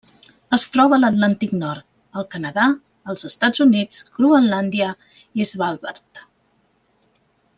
Es troba a l'Atlàntic nord: el Canadà, els Estats Units, Groenlàndia i Svalbard.